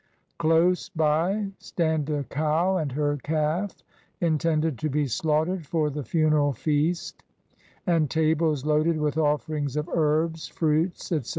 Close by stand a cow and her calf, intended to be slaughtered for the funeral feast, and tables loaded with offerings of herbs, fruits, etc.